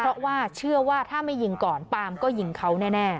เพราะว่าเชื่อว่าถ้าไม่ยิงก่อนปามก็ยิงเขาแน่